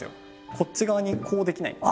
こっち側にこうできないんです。